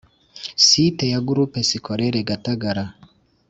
Site ya groupe scolaire gatagara